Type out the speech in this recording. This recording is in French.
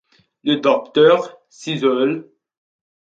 Le Docteur s'isole.